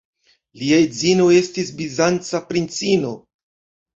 Lia edzino estis bizanca princino.